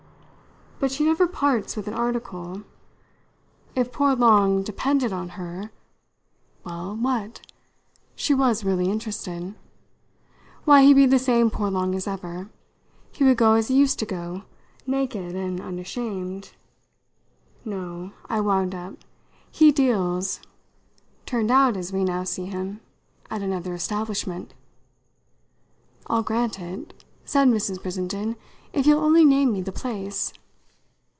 But she never parts with an article. If poor Long depended on her " "Well, what?" She was really interested. "Why, he'd be the same poor Long as ever. He would go as he used to go naked and unashamed. No," I wound up, "he deals turned out as we now see him at another establishment." "I'll grant it," said Mrs. Brissenden, "if you'll only name me the place."